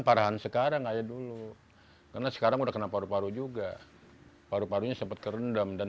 parahan sekarang aja dulu karena sekarang udah kena paru paru juga paru parunya sempet kerendam dan